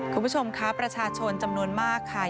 ขอบคุณผู้ชมครับประชาชนจำนวนมากมาค่ะ